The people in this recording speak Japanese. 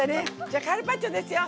じゃあカルパッチョですよ。